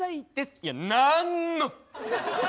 いやなんのっ！？